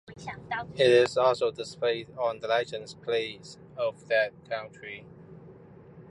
It is also displayed on the license plates of that country.